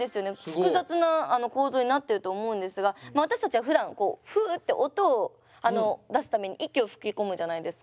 複雑な構造になってると思うんですが私たちはふだんフって音を出すために息を吹き込むじゃないですか。